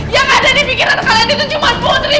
yang ada di pikiran kalian itu cuma putri